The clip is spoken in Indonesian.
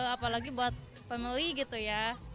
apalagi buat pembeli gitu ya